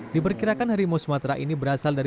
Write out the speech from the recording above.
diperkirakan harimau sumatera ini berasal dari